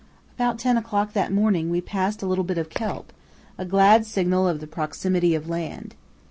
About ten o'clock that morning we passed a little bit of kelp, a glad signal of the proximity of land.